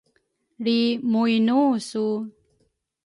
lri mu inu su?